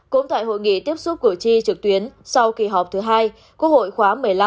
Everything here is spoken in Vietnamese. cũng tại hội nghị tiếp xúc cử tri trực tuyến sau kỳ họp thứ hai quốc hội khóa một mươi năm